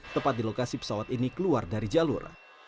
tepat di lokasi pesawat ini keluar dari jalur